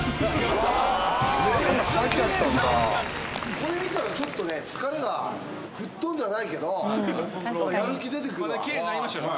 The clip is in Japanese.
これ見たらちょっとね疲れが吹っ飛んではないけど・綺麗になりましたよね